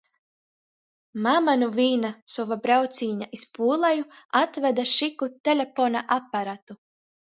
Mama nu vīna sova braucīņa iz Pūleju atvede šiku telepona aparatu.